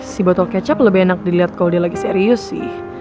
si botol kecap lebih enak dilihat kalau dia lagi serius sih